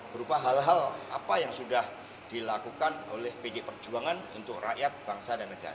berupa hal hal apa yang sudah dilakukan oleh pdi perjuangan untuk rakyat bangsa dan negara